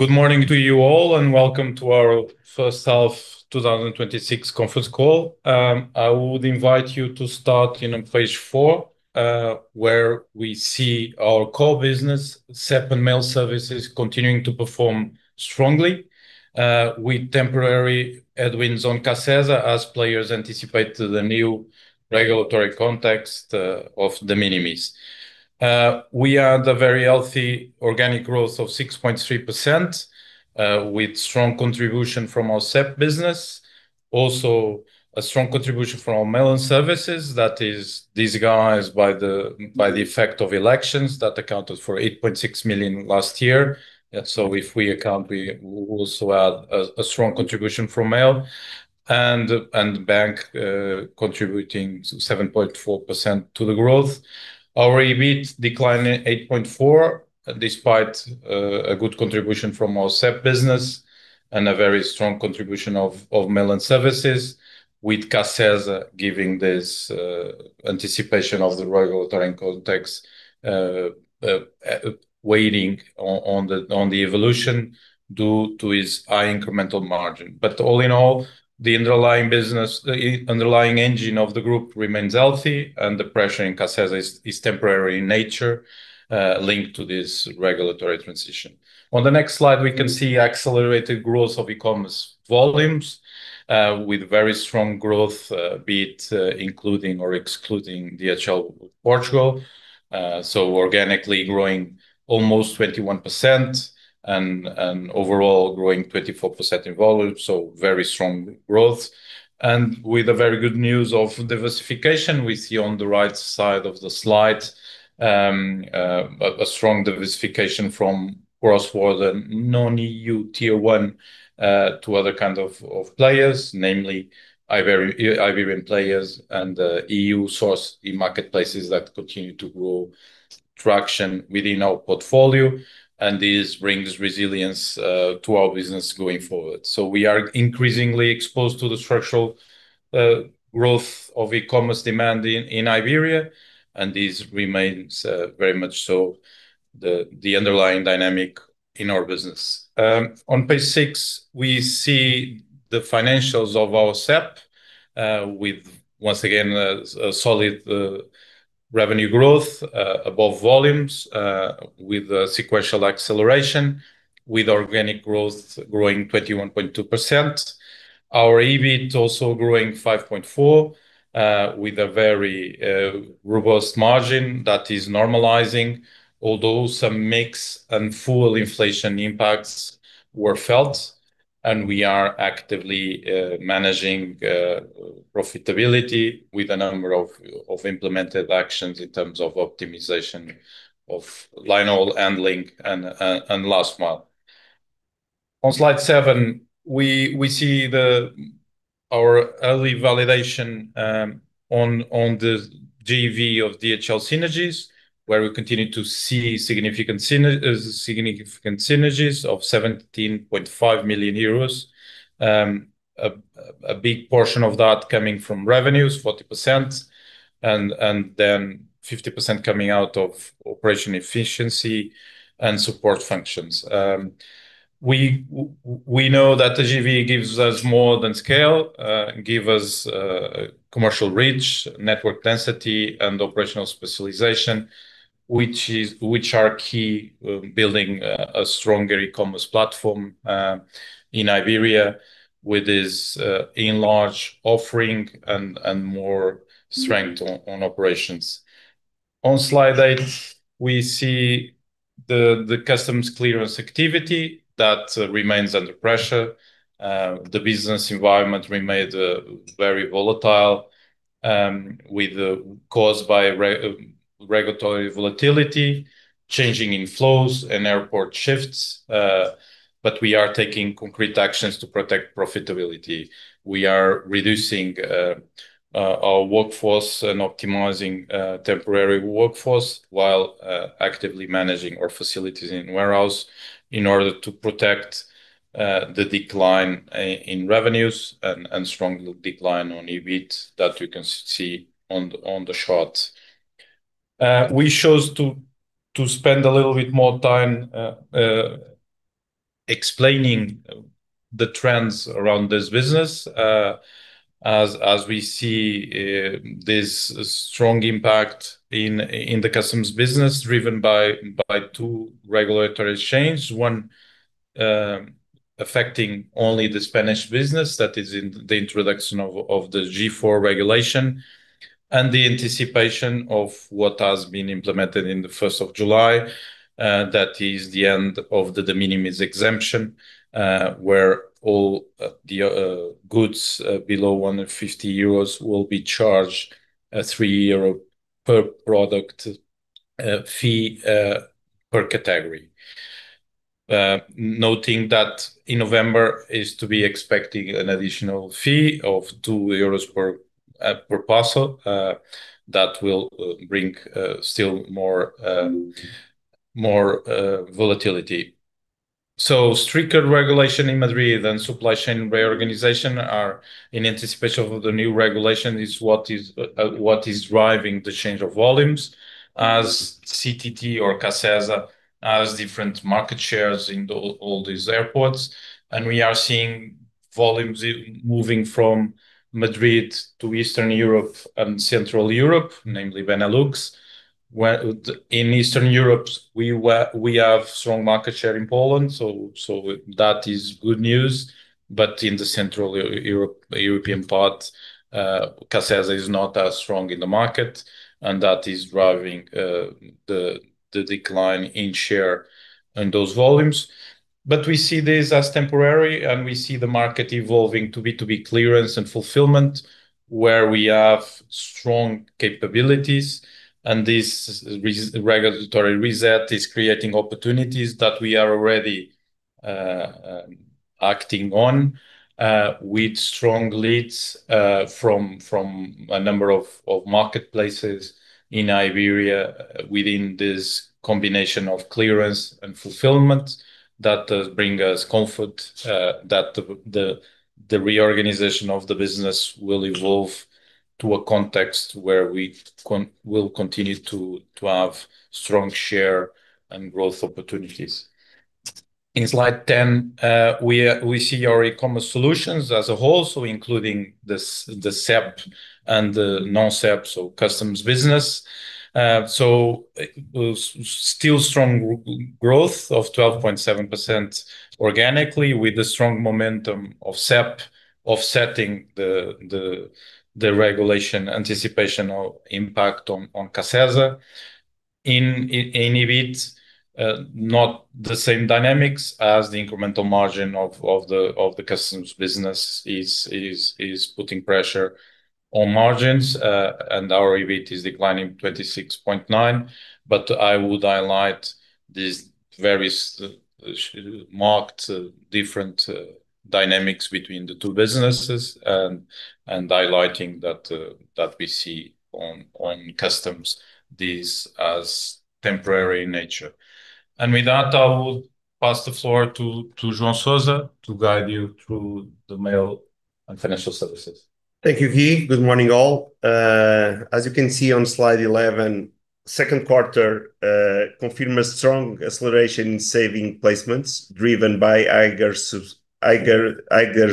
Good morning to you all, welcome to our first half 2026 conference call. I would invite you to start on page four, where we see our core business, CEP and Mail & Services, continuing to perform strongly with temporary headwinds on Cacesa as players anticipate the new regulatory context of de minimis. We had a very healthy organic growth of 6.3% with strong contribution from our CEP business. Also a strong contribution from our Mail & Services that is disguised by the effect of elections that accounted for 8.6 million last year. If we account, we also had a strong contribution from Mail and Banco CTT contributing 7.4% to the growth. Our EBITDA declined 8.4% despite a good contribution from our CEP business and a very strong contribution of Mail & Services with Cacesa giving this anticipation of the regulatory context, waiting on the evolution due to its high incremental margin. All in all, the underlying engine of the group remains healthy and the pressure in Cacesa is temporary in nature, linked to this regulatory transition. On the next slide, we can see accelerated growth of e-commerce volumes with very strong growth, be it including or excluding DHL Portugal. Organically growing almost 21% and overall growing 24% in volume. Very strong growth. With the very good news of diversification, we see on the right side of the slide a strong diversification from cross-border non-EU tier 1 to other kinds of players, namely Iberian players and EU source e-marketplaces that continue to grow traction within our portfolio. This brings resilience to our business going forward. We are increasingly exposed to the structural growth of e-commerce demand in Iberia, and this remains very much so the underlying dynamic in our business. On page six, we see the financials of our CEP with, once again, a solid revenue growth above volumes with a sequential acceleration with organic growth growing 21.2%. Our EBITDA also growing 5.4% with a very robust margin that is normalizing. Although some mix and full inflation impacts were felt, and we are actively managing profitability with a number of implemented actions in terms of optimization of Line Haul and Link and Last Mile. On slide seven, we see our early validation on the JV of DHL synergies, where we continue to see significant synergies of 17.5 million euros. A big portion of that coming from revenues, 40%, and then 50% coming out of operation efficiency and support functions. We know that the JV gives us more than scale, give us commercial reach, network density, and operational specialization, which are key building a stronger e-commerce platform in Iberia with its enlarged offering and more strength on operations. On slide eight, we see the customs clearance activity that remains under pressure. The business environment remains very volatile caused by regulatory volatility, changing inflows and airport shifts. We are taking concrete actions to protect profitability. We are reducing our workforce and optimizing temporary workforce while actively managing our facilities and warehouse in order to protect the decline in revenues and strong decline on EBITDA that we can see on the chart. We chose to spend a little bit more time explaining the trends around this business. We see this strong impact in the customs business driven by two regulatory chains, one affecting only the Spanish business, that is in the introduction of the G4 regulation and the anticipation of what has been implemented in the 1st of July. That is the end of the de minimis exemption, where all the goods below 150 euros will be charged a 3 euro per product fee per category. Noting that in November is to be expecting an additional fee of 2 euros per parcel that will bring still more volatility. Stricter regulation in Madrid and supply chain reorganization are in anticipation of the new regulation is what is driving the change of volumes as CTT or Cacesa has different market shares in all these airports. We are seeing volumes moving from Madrid to Eastern Europe and Central Europe, namely Benelux. In Eastern Europe, we have strong market share in Poland, that is good news. In the Central European part, Cacesa is not as strong in the market, that is driving the decline in share and those volumes. We see this as temporary, we see the market evolving to B2B clearance and fulfillment where we have strong capabilities, and this regulatory reset is creating opportunities that we are already acting on with strong leads from a number of marketplaces in Iberia within this combination of clearance and fulfillment that bring us comfort that the reorganization of the business will evolve to a context where we will continue to have strong share and growth opportunities. In slide 10, we see our E-commerce Solutions as a whole, including the CEP and the non-CEP, customs business. Still strong growth of 12.7% organically with the strong momentum of CEP offsetting the regulation anticipation of impact on Cacesa. In EBITDA, not the same dynamics as the incremental margin of the customs business is putting pressure on margins, our EBITDA is declining 26.9%. I would highlight these very marked different dynamics between the two businesses and highlighting that we see on customs this as temporary in nature. With that, I would pass the floor to João Sousa to guide you through the Mail & Services and financial services. Thank you, Guy. Good morning, all. You can see on slide 11, second quarter confirms strong acceleration in saving placements driven by higher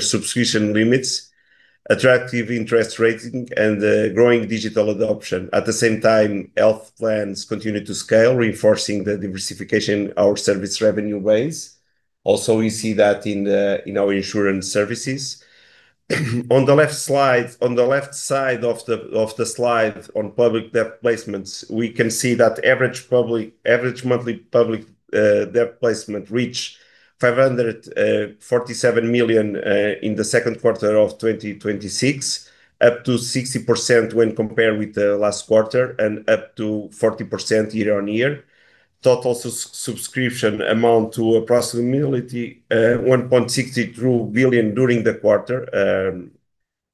subscription limits, attractive interest rates, and growing digital adoption. At the same time, health plans continue to scale, reinforcing the diversification our service revenue base. Also, we see that in our insurance services. On the left side of the slide on public debt placements, we can see that average monthly public debt placement reached 547 million in the second quarter of 2026, up to 60% when compared with the last quarter and up to 40% year-on-year. Total subscription amount to approximately 1.62 billion during the quarter,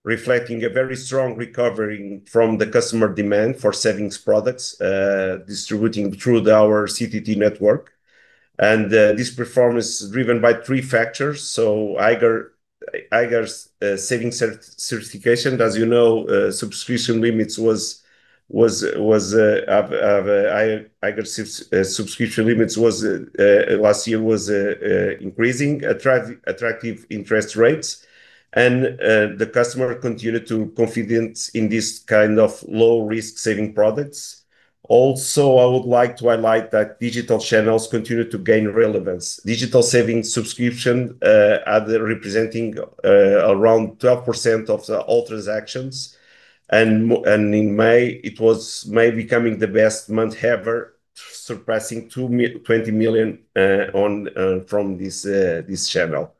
reflecting a very strong recovery from the customer demand for savings products distributing through our CTT network. This performance is driven by three factors, higher savings certification. As you know, subscription limits last year was increasing attractive interest rates, and the customer continued to confidence in this kind of low risk saving products. Also, I would like to highlight that digital channels continue to gain relevance. Digital savings subscription are representing around 12% of all transactions, and in May, it was becoming the best month ever, surpassing 20 million from this channel.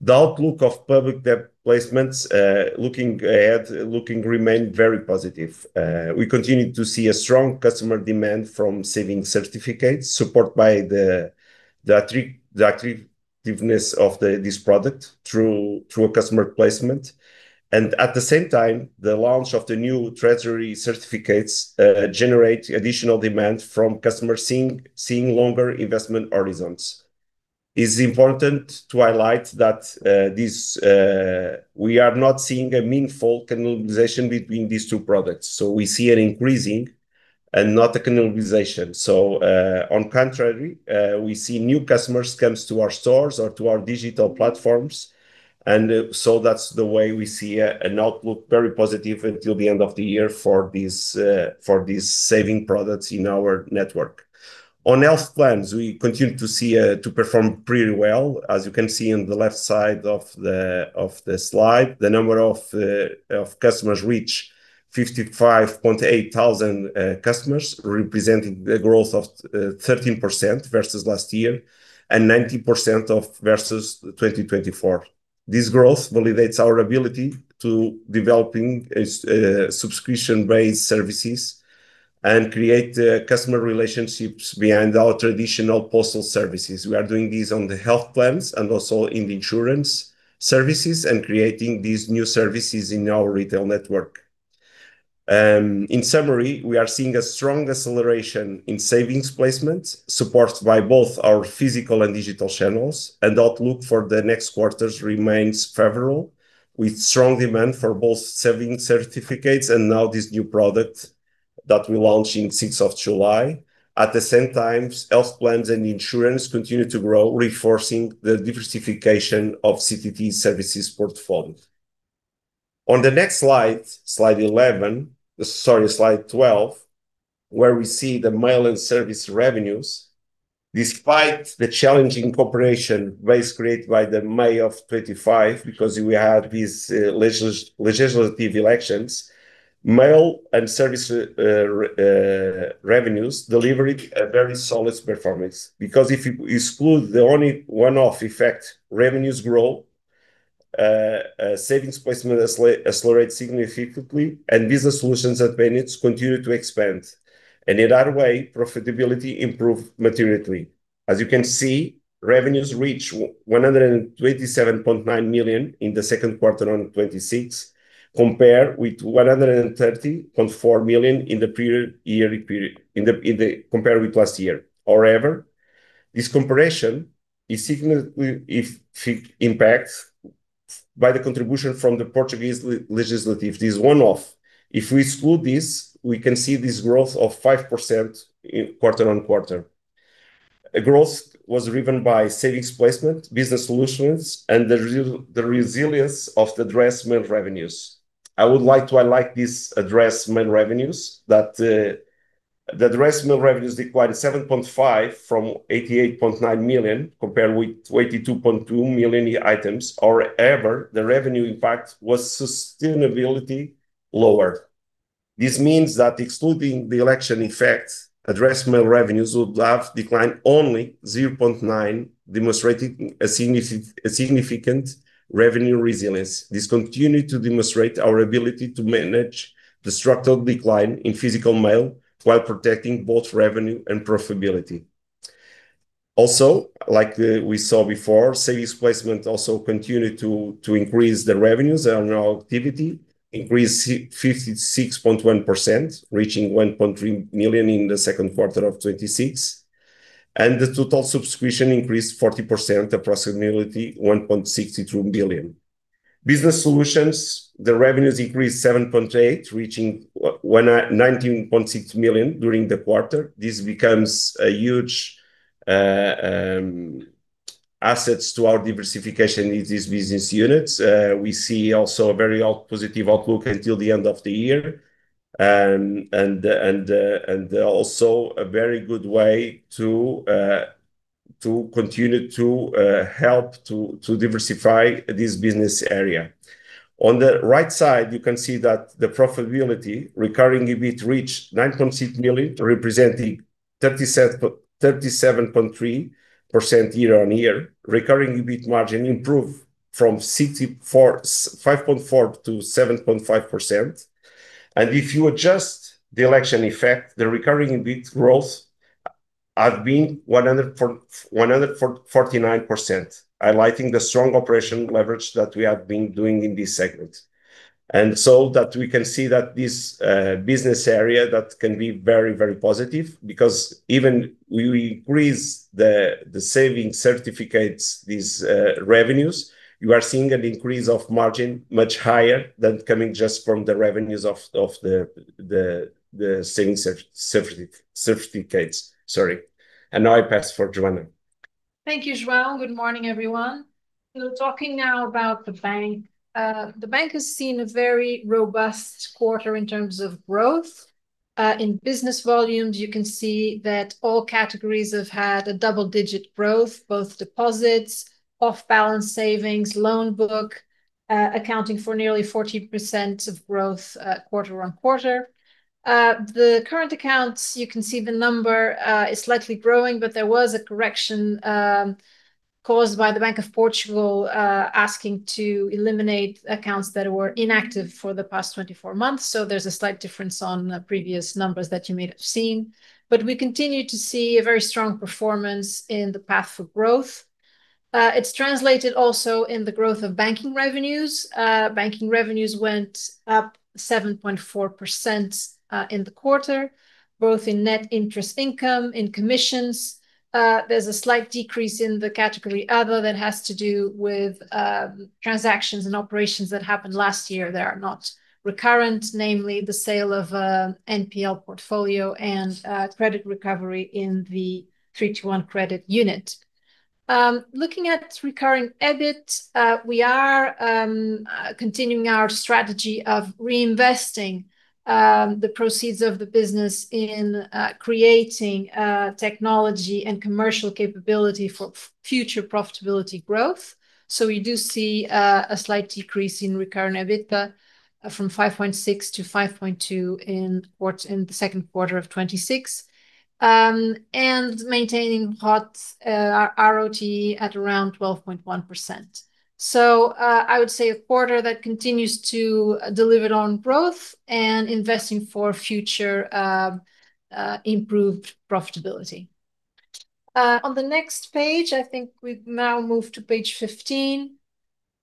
The outlook of public debt placements looking remain very positive. We continue to see a strong customer demand from savings certificates supported by the attractiveness of this product through a customer placement. At the same time, the launch of the new treasury certificates generate additional demand from customers seeing longer investment horizons. It's important to highlight that we are not seeing a meaningful cannibalization between these two products. We see an increasing and not a cannibalization. On contrary, we see new customers comes to our stores or to our digital platforms. That's the way we see an outlook very positive until the end of the year for these saving products in our network. On health plans, we continue to perform pretty well. As you can see on the left side of the slide, the number of customers reach 55.8 thousand customers, representing a growth of 13% versus last year and 90% versus 2024. This growth validates our ability to developing subscription-based services and create customer relationships behind our traditional postal services. We are doing this on the health plans and also in the insurance services and creating these new services in our retail network. In summary, we are seeing a strong acceleration in savings placements supported by both our physical and digital channels, outlook for the next quarters remains favorable with strong demand for both savings certificates and now this new product that we launch on 6th of July. At the same time, health plans and insurance continue to grow, reinforcing the diversification of CTT services portfolio. On the next slide 11, sorry, slide 12, where we see the Mail & Services revenues. Despite the challenging cooperation created by the May of 2025, because we had these legislative elections, Mail & Services revenues delivered a very solid performance. If you exclude the one-off effect, revenues grow, savings placement accelerate significantly, and business solutions and payments continue to expand. In that way, profitability improve materially. As you can see, revenues reach 127.9 million in the second quarter of 2026, compared with 130.4 million compared with last year. However, this comparison is significantly impacted by the contribution from the Portuguese legislative. This is one-off. If we exclude this, we can see this growth of 5% quarter-over-quarter. Growth was driven by savings placement, business solutions, and the resilience of the addressed mail revenues. I would like to highlight this addressed mail revenues, that addressed mail revenues declined 7.5% from 88.9 million, compared with 82.2 million items. However, the revenue impact was sustainably lower. This means that excluding the election effect, addressed mail revenues would have declined only 0.9%, demonstrating a significant revenue resilience. This continued to demonstrate our ability to manage the structural decline in physical mail while protecting both revenue and profitability. Like we saw before, savings placement also continued to increase the revenues on our activity, increased 56.1%, reaching 1.3 million in the second quarter of 2026, and the total subscription increased 40% approximately 1.62 billion. Business solutions, the revenues increased 7.8%, reaching 19.6 million during the quarter. This becomes a huge asset to our diversification in these business units. We see also a very positive outlook until the end of the year. A very good way to continue to help to diversify this business area. On the right side, you can see that the profitability, recurring EBITDA reached EUR 9.6 million, representing 37.3% year-on-year. Recurring EBITDA margin improved from 5.4% to 7.5%. If you adjust the election effect, the recurring EBITDA growth has been 149%, highlighting the strong operational leverage that we have been doing in this segment. That we can see that this business area, that can be very, very positive because even we increase the saving certificates, these revenues, you are seeing an increase of margin much higher than coming just from the revenues of the savings certificates. Sorry. Now I pass for Joana. Thank you, João. Good morning, everyone. Talking now about the bank. The bank has seen a very robust quarter in terms of growth. In business volumes, you can see that all categories have had a double-digit growth, both deposits, off-balance savings, loan book, accounting for nearly 40% of growth quarter-on-quarter. The current accounts, you can see the number is slightly growing, but there was a correction caused by the Banco de Portugal asking to eliminate accounts that were inactive for the past 24 months. There's a slight difference on previous numbers that you may have seen. We continue to see a very strong performance in the path for growth. It's translated also in the growth of banking revenues. Banking revenues went up 7.4% in the quarter, both in net interest income, in commissions. There's a slight decrease in the category Other that has to do with transactions and operations that happened last year that are not recurrent, namely the sale of NPL portfolio and credit recovery in the 321 Crédito unit. Looking at recurring EBITDA, we are continuing our strategy of reinvesting the proceeds of the business in creating technology and commercial capability for future profitability growth. We do see a slight decrease in recurring EBITDA from 5.6 to 5.2 in the second quarter of 2026, and maintaining ROE at around 12.1%. I would say a quarter that continues to deliver on growth and investing for future improved profitability. On the next page, I think we now move to page 15.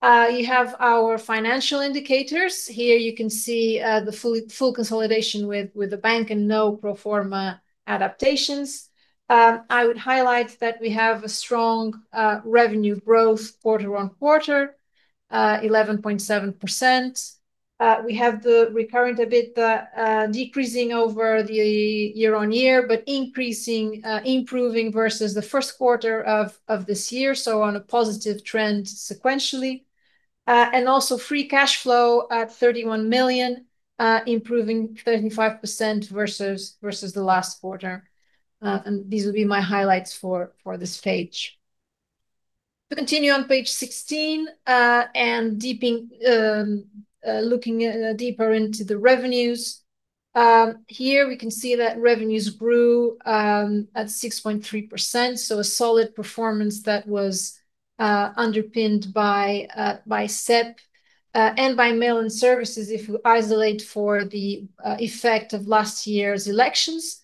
You have our financial indicators. Here you can see the full consolidation with the bank and no pro forma adaptations. I would highlight that we have a strong revenue growth quarter-on-quarter, 11.7%. We have the recurrent EBITDA decreasing over the year-on-year, but improving versus the first quarter of this year, so on a positive trend sequentially. Also free cash flow at 31 million, improving 35% versus the last quarter. These will be my highlights for this page. Continue on page 16, and looking deeper into the revenues. Here we can see that revenues grew at 6.3%, so a solid performance that was underpinned by CEP and by Mail & Services, if we isolate for the effect of last year's elections.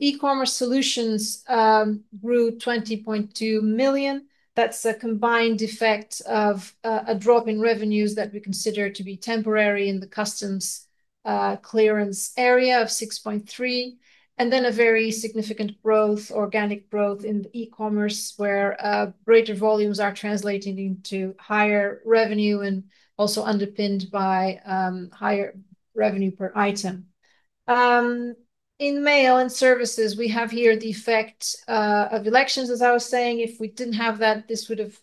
E-commerce Solutions grew 20.2 million. That's a combined effect of a drop in revenues that we consider to be temporary in the customs clearance area of 6.3, then a very significant organic growth in the e-commerce, where greater volumes are translating into higher revenue and also underpinned by higher revenue per item. In Mail & Services, we have here the effect of elections, as I was saying. If we didn't have that, this would've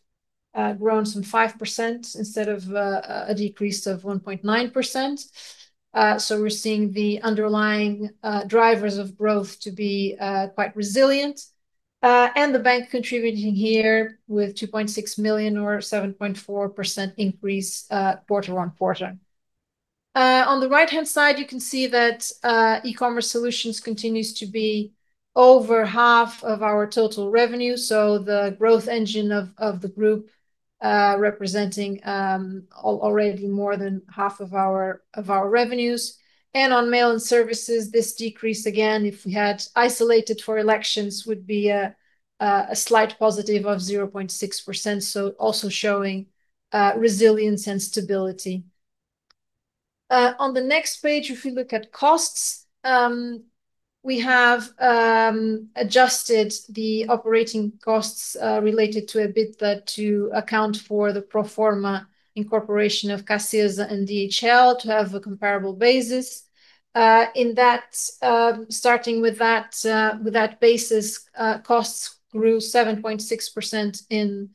grown some 5% instead of a decrease of 1.9%. We're seeing the underlying drivers of growth to be quite resilient. The bank contributing here with 2.6 million or 7.4% increase quarter-on-quarter. On the right-hand side, you can see that E-commerce Solutions continues to be over half of our total revenue. The growth engine of the group representing already more than half of our revenues. On Mail & Services, this decrease, again, if we had isolated for elections, would be a slight positive of 0.6%. Also showing resilience and stability. On the next page, if we look at costs, we have adjusted the operating costs related to EBITDA to account for the pro forma incorporation of CTT and DHL to have a comparable basis. Starting with that basis, costs grew 7.6% in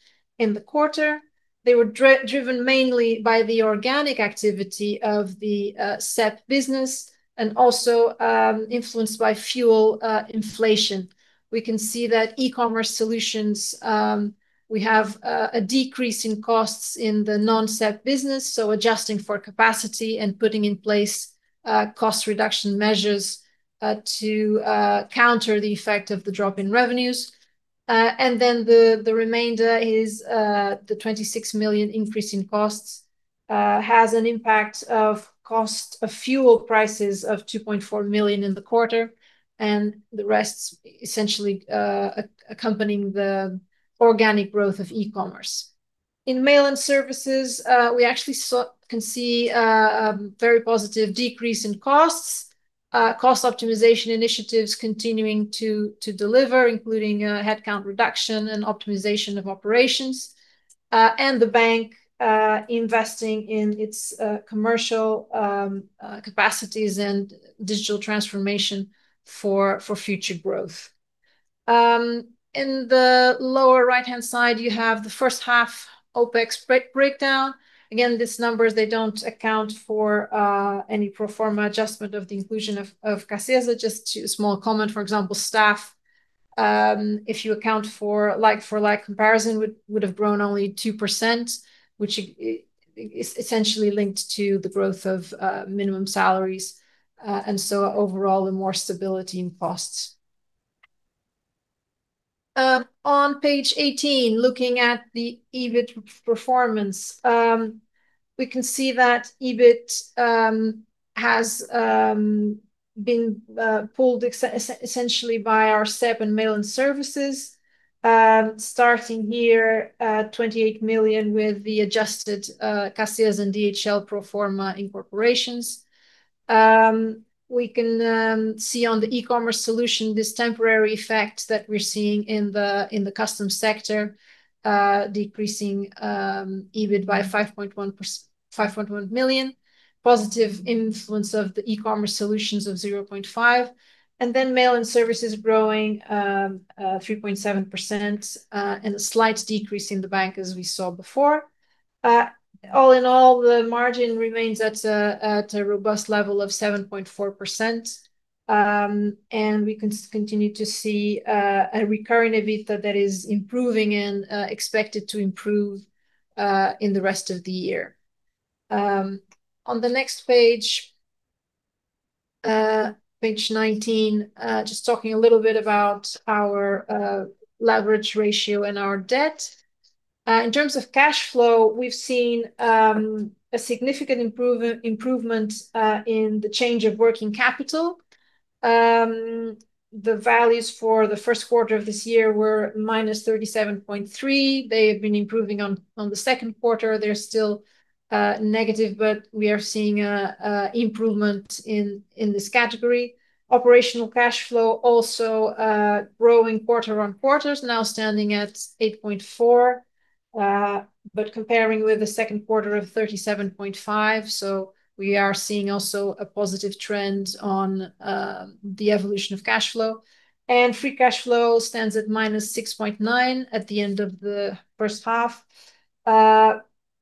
the quarter. They were driven mainly by the organic activity of the CEP business and also influenced by fuel inflation. We can see that E-commerce Solutions, we have a decrease in costs in the non-CEP business, adjusting for capacity and putting in place cost reduction measures to counter the effect of the drop in revenues. Then the remainder is the 26 million increase in costs has an impact of fuel prices of 2.4 million in the quarter, and the rest essentially accompanying the organic growth of e-commerce. In Mail & Services, we actually can see a very positive decrease in costs. Cost optimization initiatives continuing to deliver, including headcount reduction and optimization of operations, and the bank investing in its commercial capacities and digital transformation for future growth. In the lower right-hand side, you have the first half OpEx breakdown. Again, these numbers, they don't account for any pro forma adjustment of the inclusion of CTT -. Just a small comment, for example, staff, if you account for like-for-like comparison, would have grown only 2%, which is essentially linked to the growth of minimum salaries. Overall, more stability in costs. On page 18, looking at the EBITDA performance. We can see that EBITDA has been pulled essentially by our CEP and Mail & Services. Starting here at 28 million with the adjusted CTT and DHL pro forma incorporations. We can see on the E-commerce Solutions this temporary effect that we're seeing in the custom sector decreasing EBITDA by 5.1 million. Positive influence of the E-commerce Solutions of 0.5 million, Mail & Services growing 3.7%, and a slight decrease in the bank, as we saw before. All in all, the margin remains at a robust level of 7.4%. We can continue to see a recurring EBITDA that is improving and expected to improve in the rest of the year. On the next page 19, just talking a little bit about our leverage ratio and our debt. In terms of cash flow, we've seen a significant improvement in the change of working capital. The values for the first quarter of this year were -37.3 million. They have been improving on the second quarter. They're still negative. We are seeing improvement in this category. Operational cash flow also growing quarter-on-quarter, now standing at 8.4 million. Comparing with the second quarter of 37.5 million, we are seeing also a positive trend on the evolution of cash flow. Free cash flow stands at -6.9 million at the end of the first half.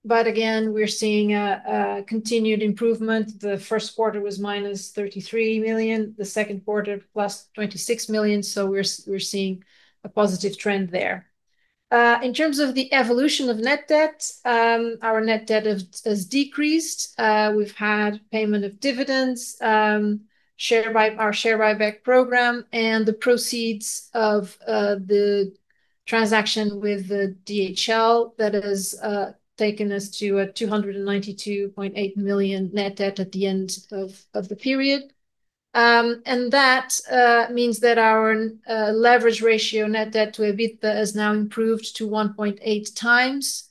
Again, we're seeing a continued improvement. The first quarter was -33 million, the second quarter +26 million. We're seeing a positive trend there. In terms of the evolution of net debt, our net debt has decreased. We've had payment of dividends, our share buyback program, and the proceeds of the transaction with the DHL that has taken us to a 292.8 million net debt at the end of the period. That means that our leverage ratio net debt to EBITDA has now improved to 1.8x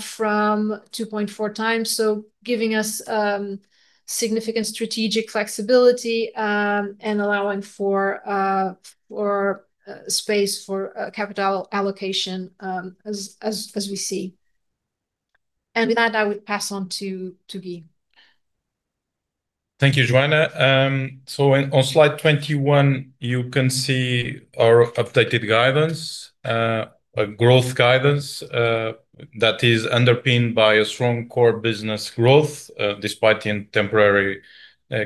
from 2.4x, so giving us significant strategic flexibility and allowing for space for capital allocation as we see. With that, I would pass on to Guy. Thank you, Joana. On slide 21, you can see our updated guidance, a growth guidance that is underpinned by a strong core business growth despite the temporary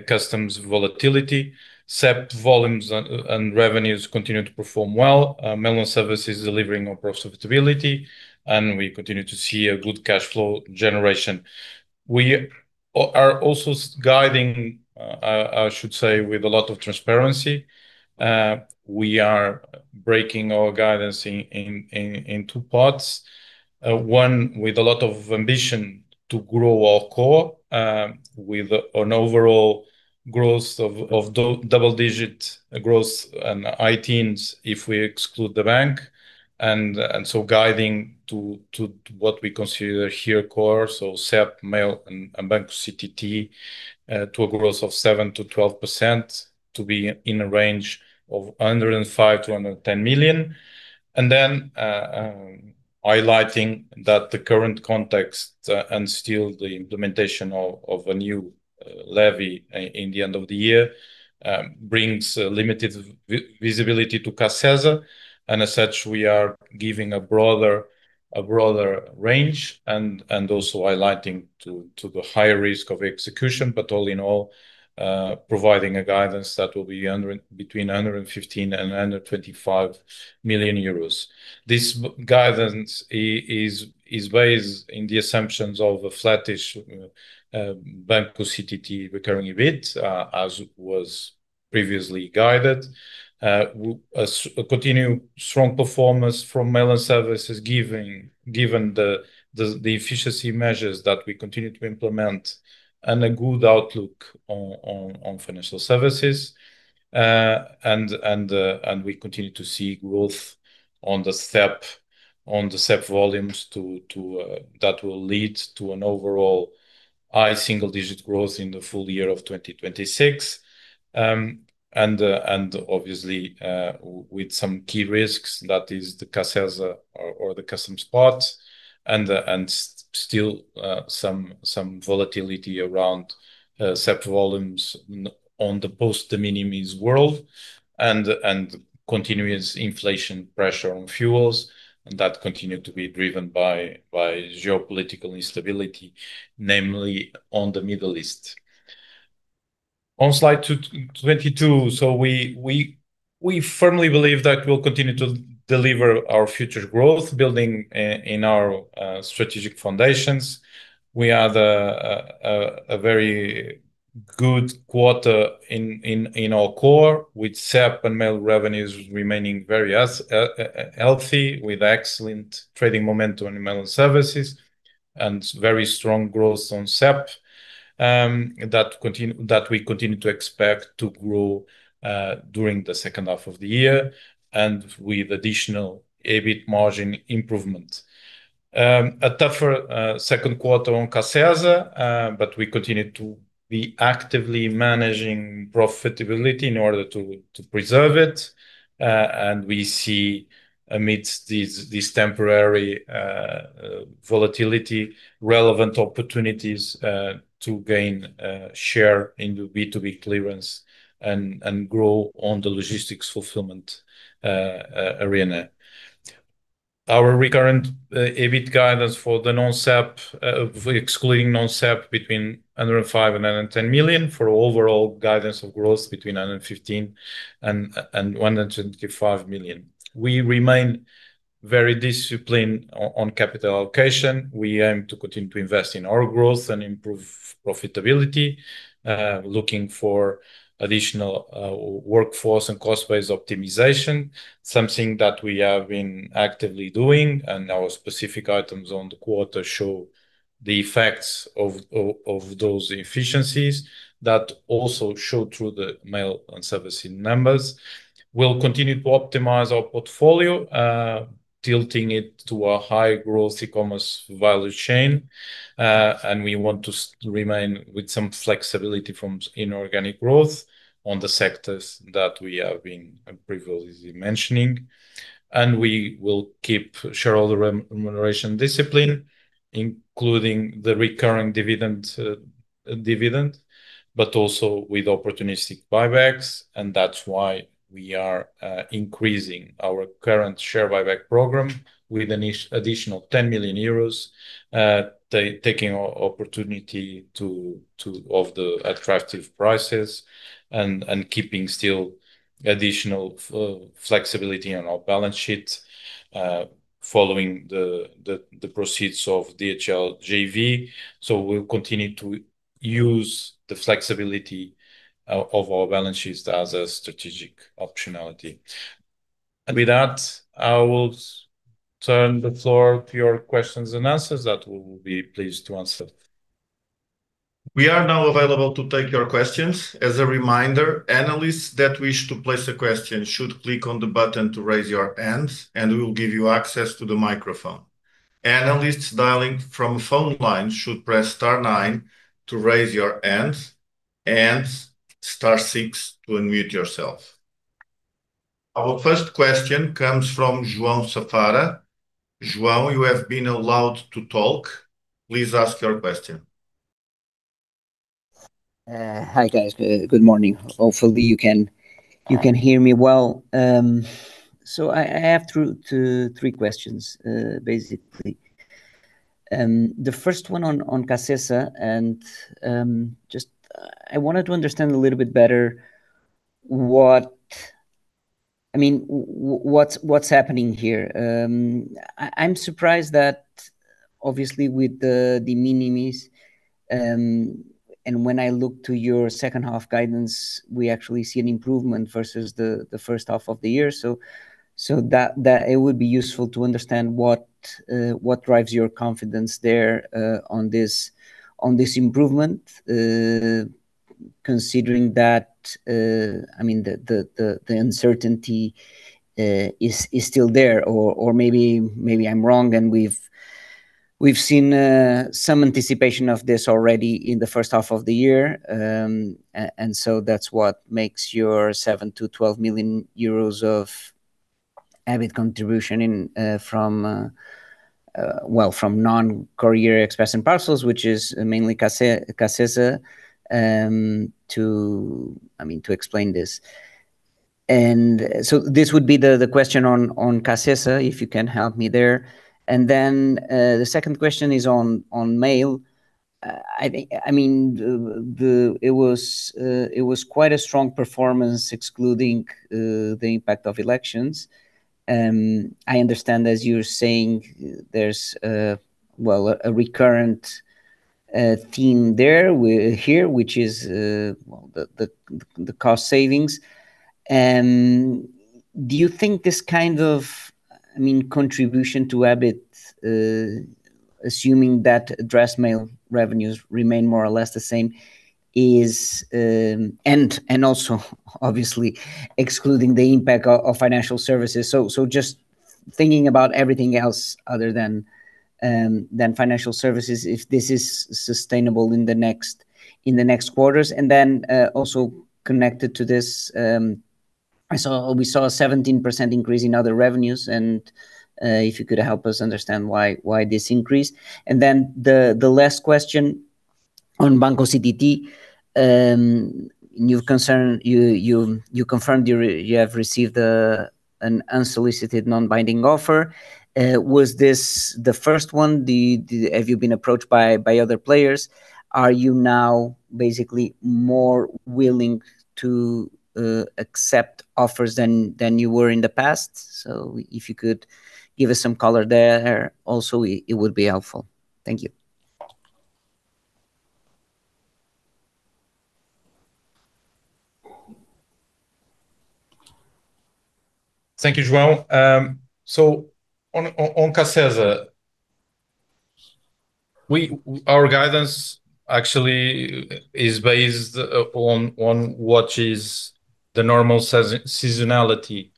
customs volatility. CEP volumes and revenues continue to perform well. Mail & Services delivering on profitability. We continue to see a good cash flow generation. We are also guiding, I should say with a lot of transparency. We are breaking our guidance in two parts. One with a lot of ambition to grow our core, with an overall double-digit growth and high teens if we exclude the bank. Guiding to what we consider here core, so CEP, Mail & Services and Banco CTT, to a growth of 7%-12%, to be in a range of 105 million-110 million. Highlighting that the current context and still the implementation of a new levy in the end of the year brings limited visibility to Cacesa. As such, we are giving a broader range and also highlighting to the higher risk of execution. All in all, providing a guidance that will be between 115 million euros and 125 million euros. This guidance is based in the assumptions of a flattish Banco CTT recurring EBITDA, as was previously guided. A continued strong performance from Mail & Services, given the efficiency measures that we continue to implement, and a good outlook on financial services. We continue to see growth on the CEP volumes that will lead to an overall high single-digit growth in the full year of 2026. Obviously, with some key risks, that is the Cacesa or the customs posts. Still some volatility around CEP volumes on the post de minimis world, and continuous inflation pressure on fuels, and that continue to be driven by geopolitical instability, namely on the Middle East. On slide 22. We firmly believe that we'll continue to deliver our future growth building in our strategic foundations. We had a very good quarter in our core with CEP and Mail revenues remaining very healthy with excellent trading momentum in Mail & Services, and very strong growth on CEP, that we continue to expect to grow during the second half of the year and with additional EBITDA margin improvement. A tougher second quarter on Cacesa, we continue to be actively managing profitability in order to preserve it. We see amidst this temporary volatility, relevant opportunities to gain share in the B2B clearance and grow on the logistics fulfillment arena. Our recurrent EBITDA guidance for the non-CEP, excluding non-CEP between 105 million and 110 million for overall guidance of growth between 115 million and 125 million. We remain very disciplined on capital allocation. We aim to continue to invest in our growth and improve profitability, looking for additional workforce and cost base optimization, something that we have been actively doing, and our specific items on the quarter show the effects of those efficiencies that also show through the Mail & Services numbers. We'll continue to optimize our portfolio, tilting it to a high-growth e-commerce value chain. We want to remain with some flexibility from inorganic growth on the sectors that we have been previously mentioning. We will keep shareholder remuneration discipline, including the recurring dividend, but also with opportunistic buybacks, That's why we are increasing our current share buyback program with an additional 10 million euros, taking opportunity of the attractive prices and keeping still additional flexibility on our balance sheet following the proceeds of DHL JV. We'll continue to use the flexibility of our balance sheets as a strategic optionality. With that, I will turn the floor to your questions and answers that we will be pleased to answer. We are now available to take your questions. As a reminder, analysts that wish to place a question should click on the button to raise your hands, and we will give you access to the microphone. Analysts dialing from a phone line should press star nine to raise your hands and star six to unmute yourself. Our first question comes from João Safara. João, you have been allowed to talk. Please ask your question. Hi, guys. Good morning. Hopefully, you can hear me well. I have two to three questions, basically. The first one on Cacesa, and I wanted to understand a little bit better what's happening here. I'm surprised that obviously with the de minimis, when I look to your second half guidance, we actually see an improvement versus the first half of the year. That it would be useful to understand what drives your confidence there on this improvement, considering that the uncertainty is still there. Maybe I'm wrong, and we've seen some anticipation of this already in the first half of the year, that's what makes your 7 million-12 million euros of EBITDA contribution from non-courier express and parcels, which is mainly Cacesa, to explain this. This would be the question on Cacesa, if you can help me there. The second question is on mail. It was quite a strong performance excluding the impact of elections. I understand as you're saying, there's a recurrent theme there, here, which is the cost savings. Do you think this kind of contribution to EBITDA, assuming that addressed mail revenues remain more or less the same, and also obviously excluding the impact of financial services. Just thinking about everything else other than financial services, if this is sustainable in the next quarters, also connected to this, we saw a 17% increase in other revenues, if you could help us understand why this increased. The last question on Banco CTT, you confirmed you have received an unsolicited non-binding offer. Was this the first one? Have you been approached by other players? Are you now basically more willing to accept offers than you were in the past? If you could give us some color there also, it would be helpful. Thank you. Thank you, João. On Cacesa, our guidance actually is based on what is the normal seasonality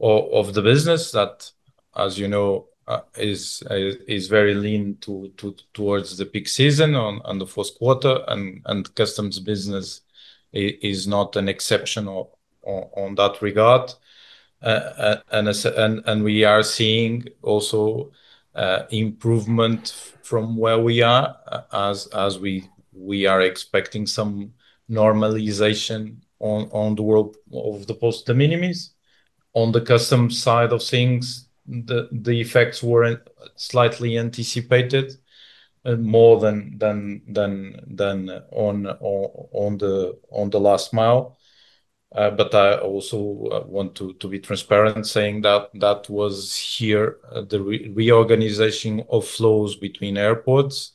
of the business that, as you know, is very lean towards the peak season on the first quarter, and customs business is not an exception on that regard. We are seeing also improvement from where we are as we are expecting some normalization on the world of the post de minimis. On the custom side of things, the effects were slightly anticipated more than on the last mile. I also want to be transparent saying that that was here the reorganization of flows between airports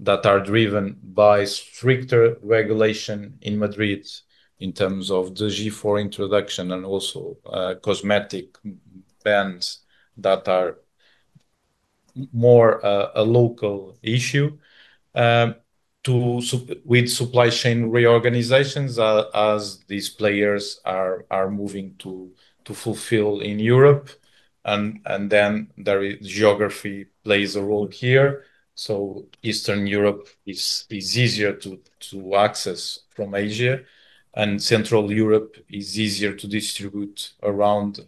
that are driven by stricter regulation in Madrid in terms of the G4 introduction and also cosmetic bans that are more a local issue with supply chain reorganizations as these players are moving to fulfill in Europe. The geography plays a role here. Eastern Europe is easier to access from Asia, and Central Europe is easier to distribute around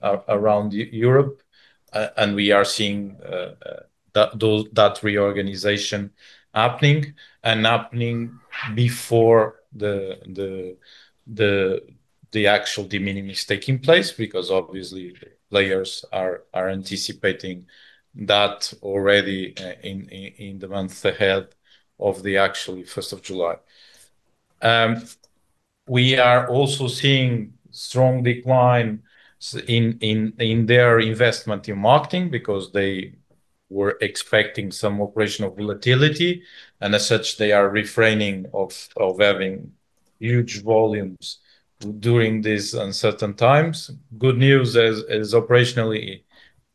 Europe. We are seeing that reorganization happening and happening before the actual de minimis taking place, because obviously players are anticipating that already in the months ahead of the actual 1st of July. We are also seeing strong decline in their investment in marketing because they were expecting some operational volatility, and as such, they are refraining of having huge volumes during these uncertain times. Good news is operationally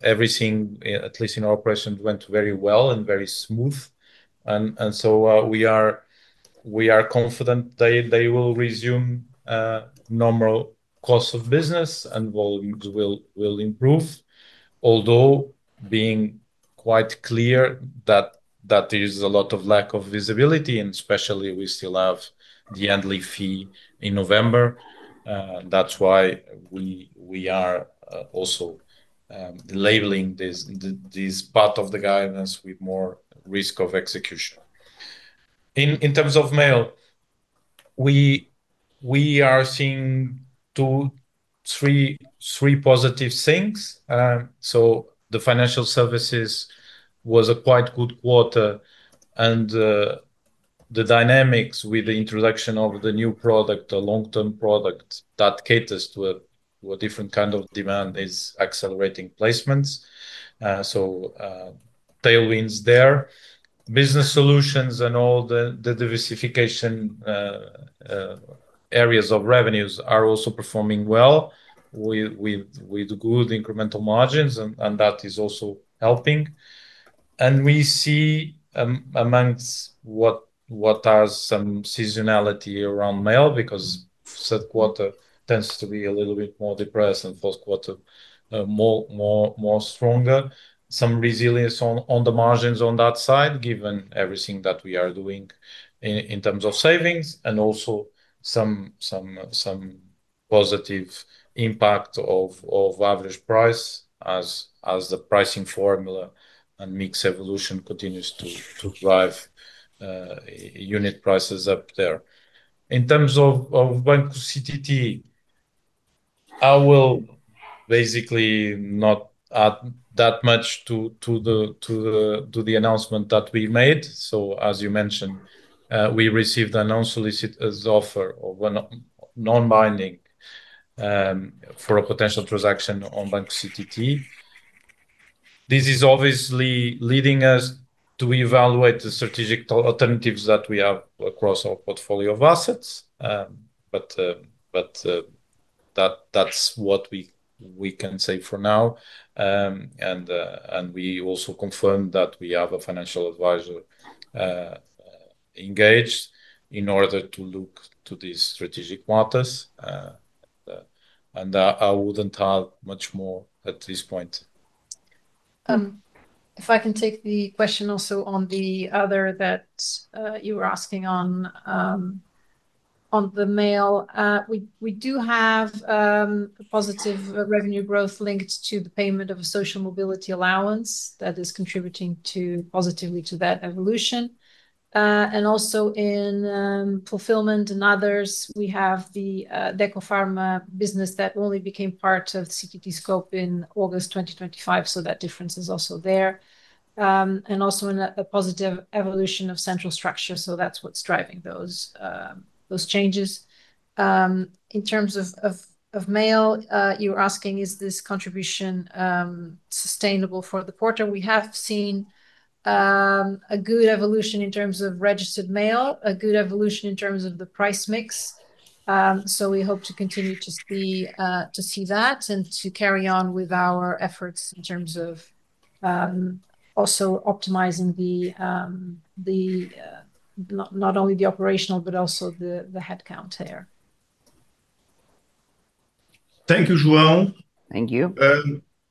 everything, at least in our operations, went very well and very smooth. We are confident they will resume normal course of business and volumes will improve. Although being quite clear that there is a lot of lack of visibility and especially we still have the end fee in November. That's why we are also labeling this part of the guidance with more risk of execution. In terms of mail, we are seeing two, three positive things. The financial services was a quite good quarter and the dynamics with the introduction of the new product, the long-term product that caters to a different kind of demand, is accelerating placements. Tailwinds there. Business solutions and all the diversification areas of revenues are also performing well with good incremental margins, and that is also helping. We see amongst what are some seasonality around mail, because third quarter tends to be a little bit more depressed and first quarter more stronger. Some resilience on the margins on that side, given everything that we are doing in terms of savings and also some positive impact of average price as the pricing formula and mix evolution continues to drive unit prices up there. In terms of Banco CTT, I will basically not add that much to the announcement that we made. As you mentioned, we received an unsolicited offer of non-binding for a potential transaction on Banco CTT. This is obviously leading us to evaluate the strategic alternatives that we have across our portfolio of assets. That's what we can say for now. We also confirmed that we have a financial advisor engaged in order to look to these strategic matters. I wouldn't add much more at this point. If I can take the question also on the other that you were asking on the mail. We do have positive revenue growth linked to the payment of a social mobility allowance that is contributing positively to that evolution. Also in fulfillment and others, we have the Decopharma business that only became part of CTT scope in August 2025, so that difference is also there. Also in a positive evolution of central structure, that's what's driving those changes. In terms of mail, you're asking is this contribution sustainable for the quarter? We have seen a good evolution in terms of registered mail, a good evolution in terms of the price mix. We hope to continue to see that and to carry on with our efforts in terms of also optimizing not only the operational but also the headcount there. Thank you, João. Thank you.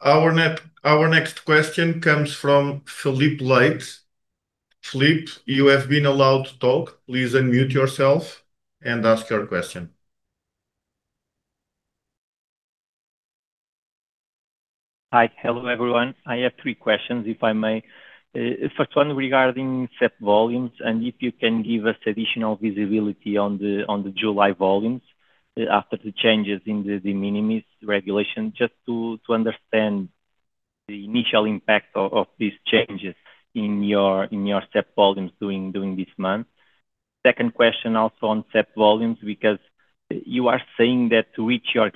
Our next question comes from Filipe Leite. Filipe, you have been allowed to talk. Please unmute yourself and ask your question. Hello, everyone. I have three questions, if I may. First one regarding CEP volumes, and if you can give us additional visibility on the July volumes after the changes in the de minimis regulation, just to understand the initial impact of these changes in your CEP volumes during this month. Second question also on CEP volumes, because you are saying that to reach your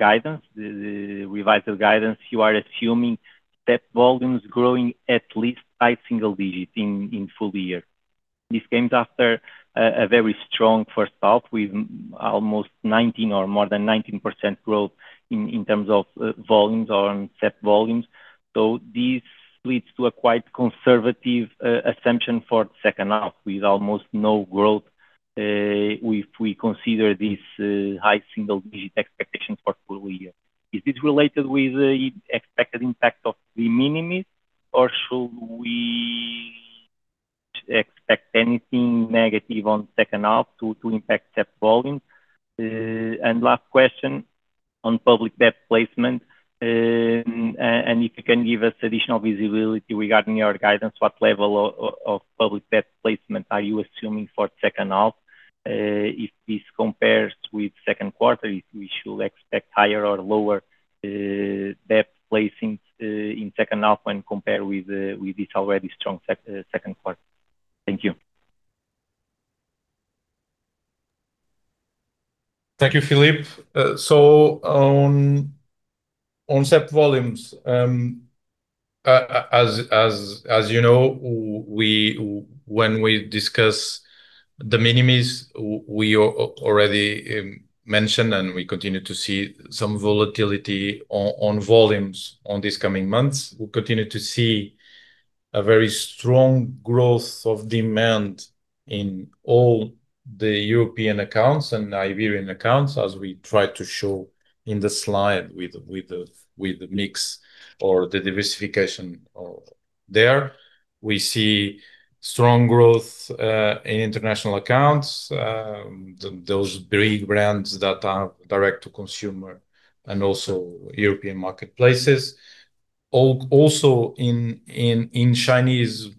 revised guidance, you are assuming CEP volumes growing at least high single digit in full year. This comes after a very strong first half with almost 19 or more than 19% growth in terms of volumes or on CEP volumes. This leads to a quite conservative assumption for the second half with almost no growth, if we consider this high single digit expectation for full year. Is this related with the expected impact of de minimis, or should we expect anything negative on second half to impact CEP volumes? Last question, on public debt placement And if you can give us additional visibility regarding your guidance, what level of public debt placement are you assuming for the second half? If this compares with second quarter, if we should expect higher or lower debt placings in second half when compared with this already strong second quarter. Thank you. Thank you, Filipe. On CEP volumes, as you know, when we discuss de minimis, we already mentioned, and we continue to see some volatility on volumes on these coming months. We will continue to see a very strong growth of demand in all the European accounts and Iberian accounts, as we try to show in the slide with the mix or the diversification there. We see strong growth in international accounts, those Big Three brands that are direct-to-consumer and also European marketplaces. Also in Chinese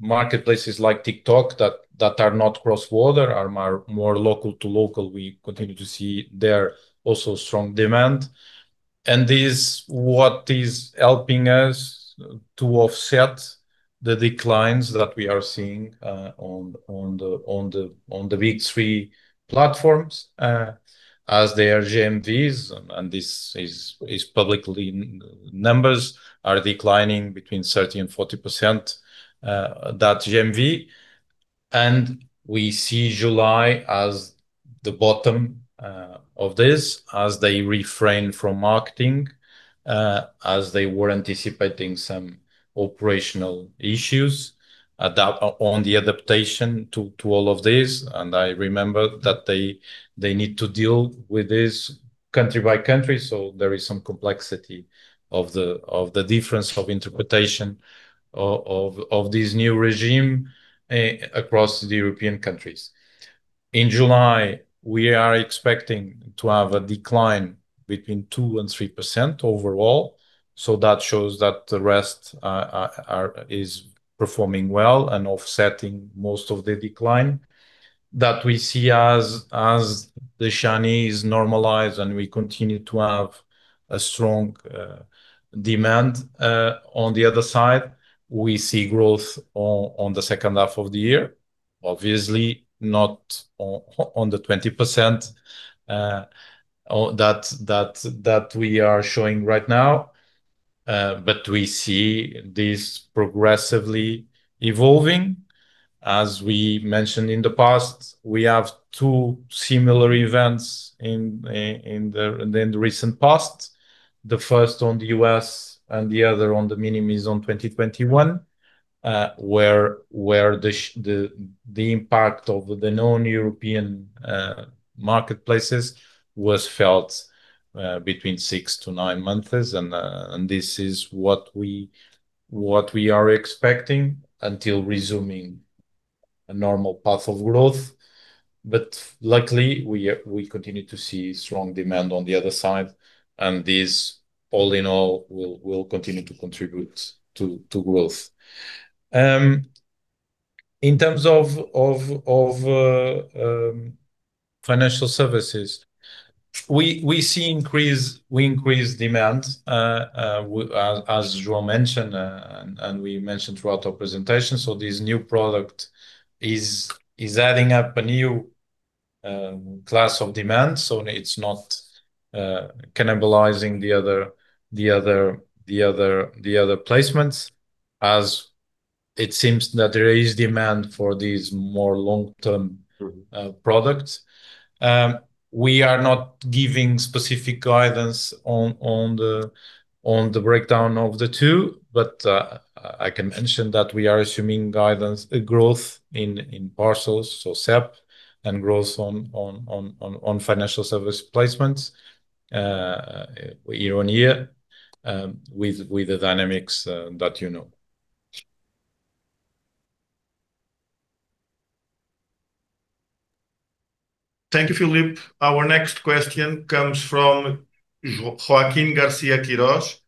marketplaces like TikTok that are not cross-border, are more local to local, we continue to see there also strong demand. This is what is helping us to offset the declines that we are seeing on the Big Three platforms, as their GMVs, and this is publicly numbers, are declining between 30%-40% that GMV. We see July as the bottom of this as they refrain from marketing, as they were anticipating some operational issues on the adaptation to all of this. I remember that they need to deal with this country by country, so there is some complexity of the difference of interpretation of this new regime across the European countries. In July, we are expecting to have a decline between 2%-3% overall. That shows that the rest is performing well and offsetting most of the decline that we see as the Chinese normalize and we continue to have a strong demand on the other side. We see growth on the second half of the year. Obviously not on the 20% that we are showing right now, but we see this progressively evolving. As we mentioned in the past, we have two similar events in the recent past. The first on the U.S. and the other on de minimis on 2021, where the impact of the non-European marketplaces was felt between six to nine months. This is what we are expecting until resuming a normal path of growth. Luckily, we continue to see strong demand on the other side, and this all in all, will continue to contribute to growth. In terms of financial services, we see increased demand, as João mentioned, and we mentioned throughout our presentation. This new product is adding up a new class of demand, so it is not cannibalizing the other placements as it seems that there is demand for these more long-term products. We are not giving specific guidance on the breakdown of the two, but I can mention that we are assuming guidance growth in parcels, so CEP, and growth on financial service placements year-on-year with the dynamics that you know. Thank you, Filipe. Our next question comes from Joaquín García-Quirós.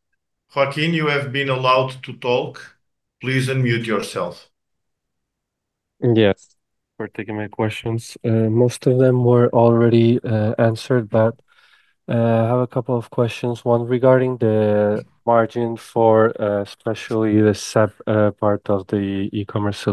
Joaquín, you have been allowed to talk. Please unmute yourself. Thank you for taking my questions. Most of them were already answered, but I have a couple of questions. One regarding the margin for especially the CEP part of the E-commerce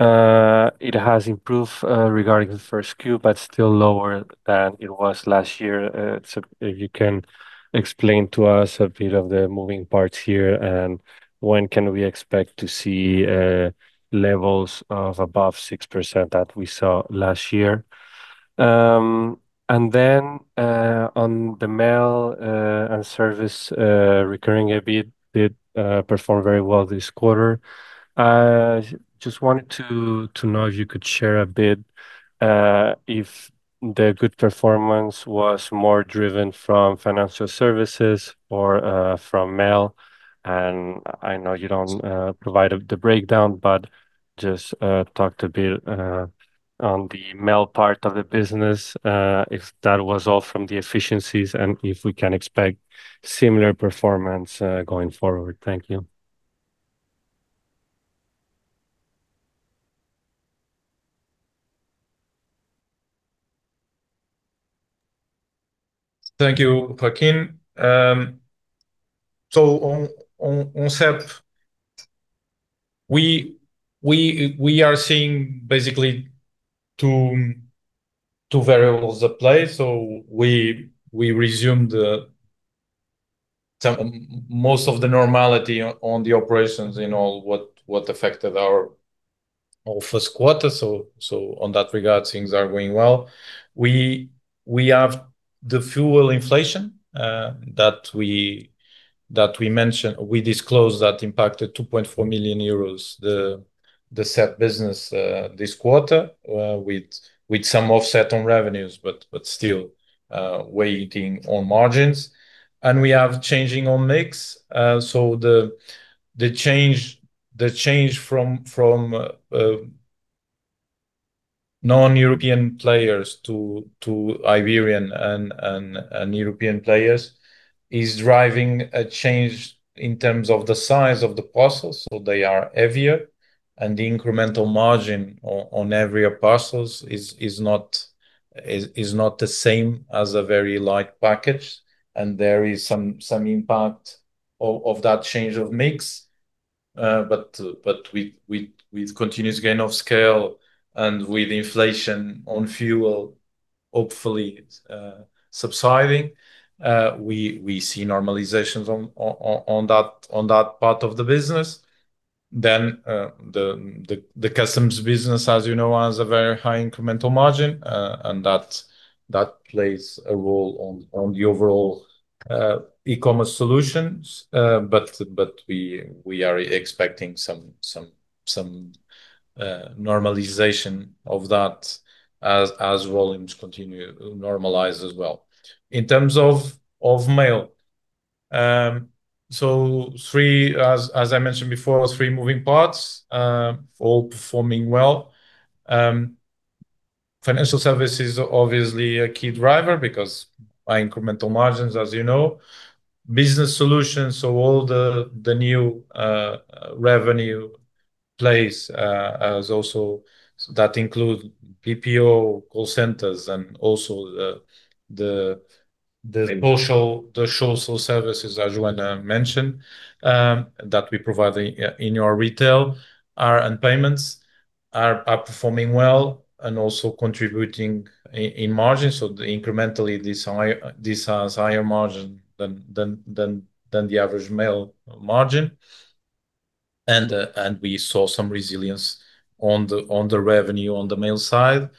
Solutions. It has improved regarding the first Q, but still lower than it was last year. So if you can explain to us a bit of the moving parts here, and when can we expect to see levels of above 6% that we saw last year? Then on the Mail & Services recurring EBITDA did perform very well this quarter. Just wanted to know if you could share a bit if the good performance was more driven from financial services or from Mail & Services. I know you don't provide the breakdown, but just talk a bit on the Mail & Services part of the business, if that was all from the efficiencies and if we can expect similar performance going forward. Thank you. Thank you, Joaquín. On CEP, we are seeing basically two variables at play. We resumed most of the normality on the operations in all what affected our first quarter. On that regard, things are going well. We have the fuel inflation that we disclosed that impacted 2.4 million euros, the CEP business this quarter, with some offset on revenues, but still waiting on margins. We are changing on mix. The change from non-European players to Iberian and European players is driving a change in terms of the size of the parcels. They are heavier, and the incremental margin on heavier parcels is not the same as a very light package. There is some impact of that change of mix. With continuous gain of scale and with inflation on fuel hopefully subsiding, we see normalizations on that part of the business. The customs business, as you know, has a very high incremental margin, and that plays a role on the overall E-commerce Solutions. We are expecting some normalization of that as volumes continue to normalize as well. In terms of mail. As I mentioned before, three moving parts, all performing well. Financial services are obviously a key driver because high incremental margins, as you know. Business solutions, all the new revenue place that include BPO call centers and also the social services, as Joana mentioned, that we provide in our retail and payments are performing well and also contributing in margin. Incrementally, this has higher margin than the average mail margin. We saw some resilience on the revenue on the mail side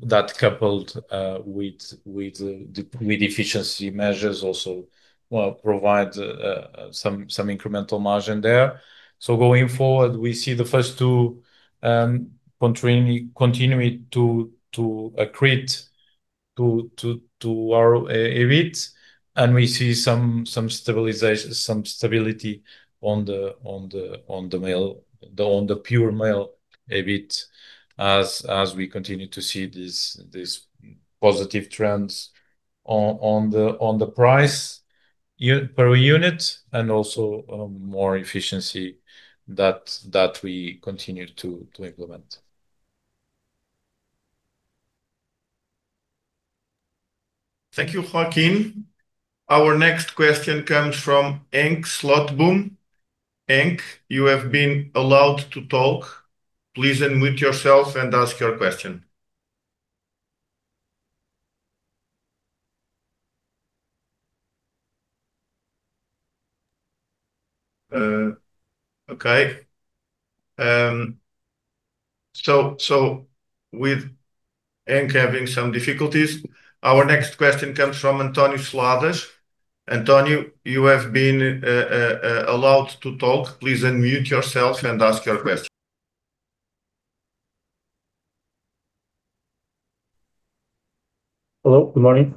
that coupled with efficiency measures also will provide some incremental margin there. Going forward, we see the first two continuing to accrete to our EBITDA, and we see some stability on the pure mail EBITDA as we continue to see these positive trends on the price per unit and also more efficiency that we continue to implement. Thank you, Joaquín. Our next question comes from Henk Slotboom. Henk, you have been allowed to talk. Please unmute yourself and ask your question. Okay. With Henk having some difficulties, our next question comes from António Seladas. António, you have been allowed to talk. Please unmute yourself and ask your question. Hello. Good morning.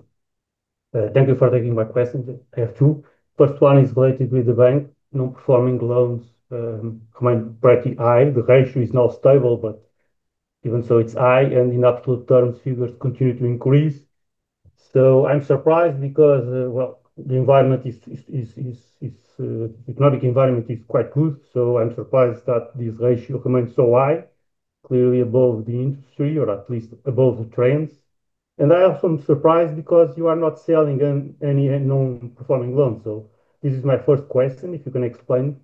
Thank you for taking my questions. I have two. First one is related with the bank. Non-performing loans come in pretty high. The ratio is now stable, but even so, it's high, and in absolute terms, figures continue to increase. I'm surprised because the economic environment is quite good. I'm surprised that this ratio remains so high, clearly above the industry or at least above the trends. I also am surprised because you are not selling any non-performing loans. This is my first question, if you can explain,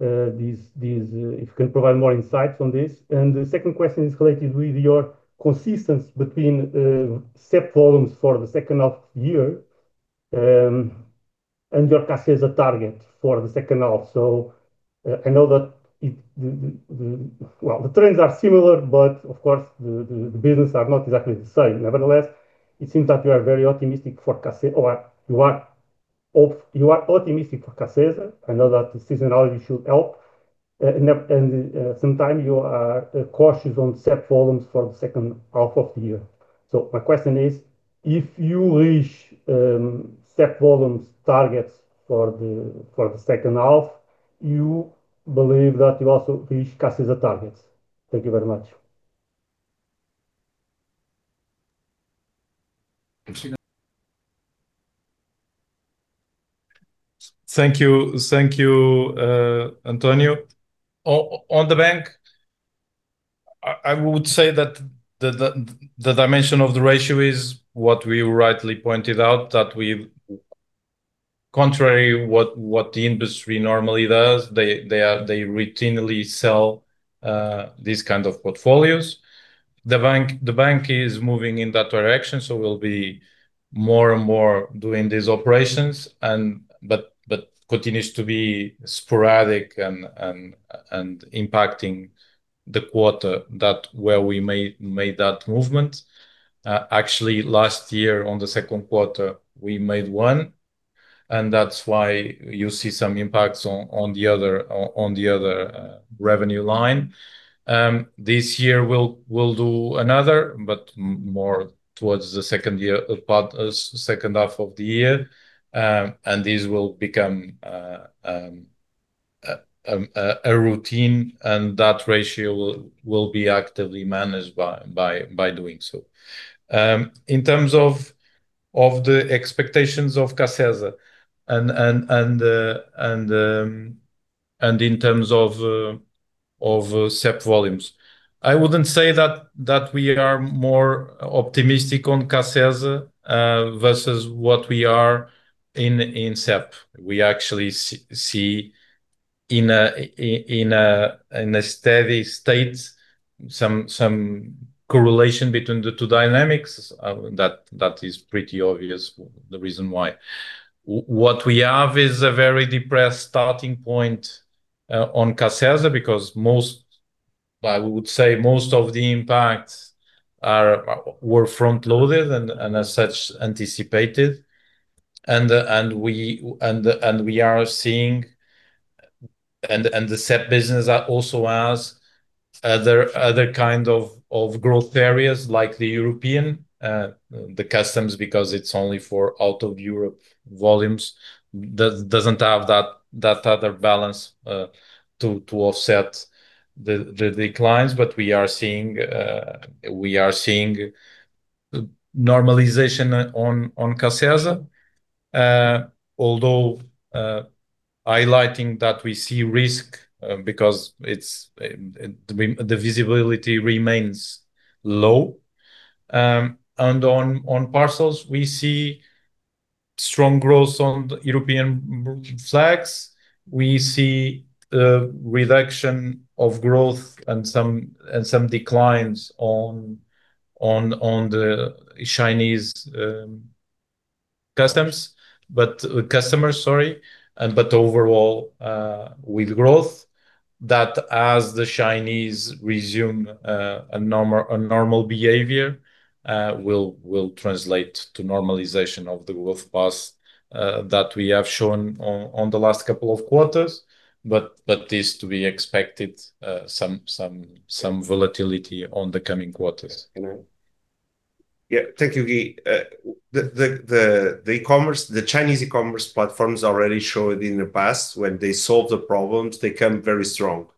if you can provide more insights on this. The second question is related with your consistence between CEP volumes for the second half year, and your cash as a target for the second half. I know that the trends are similar, but of course, the business are not exactly the same. Nevertheless, it seems that you are very optimistic for cash, or you are optimistic for cash. I know that the seasonality should help, and sometime you are cautious on CEP volumes for the second half of the year. My question is, if you reach CEP volumes targets for the second half, you believe that you also reach Cacesa targets? Thank you very much. Thank you, António. On the bank, I would say that the dimension of the ratio is what we rightly pointed out, that we've contrary what the industry normally does, they routinely sell these kinds of portfolios. The bank is moving in that direction, so we'll be more and more doing these operations, but continues to be sporadic and impacting the quarter where we made that movement. Actually, last year on the second quarter, we made one, and that's why you see some impacts on the other revenue line. This year, we'll do another, but more towards the second half of the year. This will become a routine, and that ratio will be actively managed by doing so. In terms of the expectations of Cacesa and in terms of CEP volumes, I wouldn't say that we are more optimistic on Cacesa versus what we are in CEP. We actually see in a steady state some correlation between the two dynamics. That is pretty obvious the reason why. What we have is a very depressed starting point on Cacesa, because I would say most of the impacts were front-loaded and as such, anticipated. The CEP business also has other kind of growth areas like the European, the customs, because it's only for out of Europe volumes, doesn't have that other balance to offset the declines. We are seeing normalization on Cacesa, although highlighting that we see risk because the visibility remains low. On parcels, we see strong growth on European flags. We see a reduction of growth and some declines on the Chinese customers. Overall, with growth that as the Chinese resume a normal behavior will translate to normalization of the growth paths that we have shown on the last couple of quarters. This is to be expected, some volatility on the coming quarters. Yeah. Thank you, Guy. The Chinese e-commerce platforms already showed in the past when they solve the problems, they come very strong.